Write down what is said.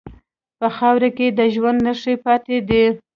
په خاوره کې د ژوند نښې پاتې دي.